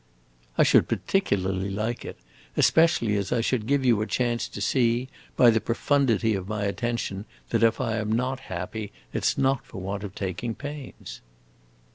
"I should particularly like it; especially as I should give you a chance to see, by the profundity of my attention, that if I am not happy, it 's not for want of taking pains."